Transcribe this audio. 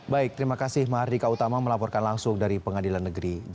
baik terima kasih mahardika utama melaporkan langsung dari pengadilan negeri jakarta